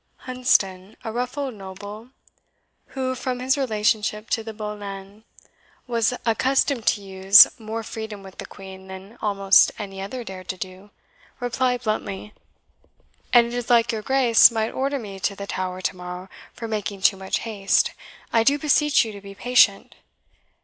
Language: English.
Hunsdon, a rough old noble, who, from his relationship to the Boleyns, was accustomed to use more freedom with the Queen than almost any other dared to do, replied bluntly, "And it is like your Grace might order me to the Tower to morrow for making too much haste. I do beseech you to be patient."